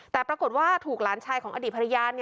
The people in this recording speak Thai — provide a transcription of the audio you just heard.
แต่ปรากฏว่าถูกหลานชายของอดีตภรรยา